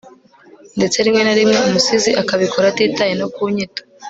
ndetse rimwe na rimwe umusizi akabikora atitaye no ku nyito